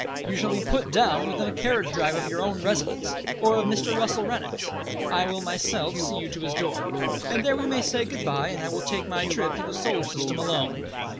You shall be put down within a carriage drive of your own residence, or of Mr. Russell Rennick's. I will myself see you to his door, and there we may say goodbye, and I will take my trip through the Solar System alone."